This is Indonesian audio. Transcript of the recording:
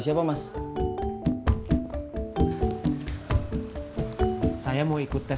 macam mana aku terkejar